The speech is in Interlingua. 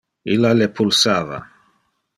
Illa le pulsava.